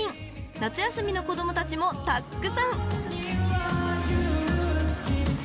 ［夏休みの子供たちもたくさん］